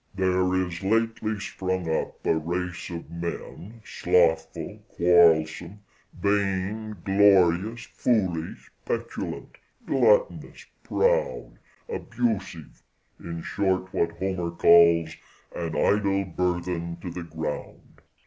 There is lately sprung up a race of men, slothful, quarrelsome, vain glorious, foolish, petulant, gluttonous, proud, abusive, in short what Homer calls, "An idle burthen to the ground."